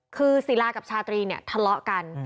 คือศิลากับชาตรีเนี่ยทะเลาะกัน